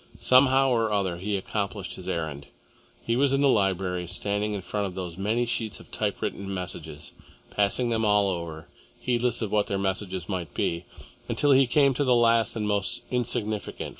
Somehow or other he accomplished his errand. He was in the library, standing in front of those many sheets of typewritten messages, passing them all over, heedless of what their message might be, until he came to the last and most insignificant.